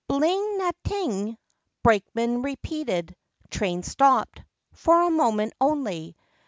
Bling na ting! " brakeman repeated. Train stopped—for a moment only.